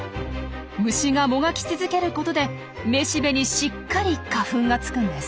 虫がもがき続けることで雌しべにしっかり花粉がつくんです。